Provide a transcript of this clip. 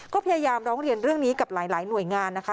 ก็พยายามร้องเรียนเรื่องนี้กับหลายหน่วยงานนะคะ